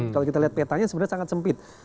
kalau kita lihat petanya sebenarnya sangat sempit